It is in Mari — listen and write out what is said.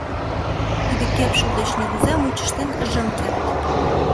Тиде кепшыл деч нигузе мучыштен ыжым керт.